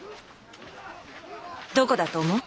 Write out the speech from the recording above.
どこだと思う？